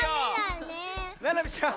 ななみちゃん